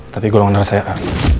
tapi golongan darah saya a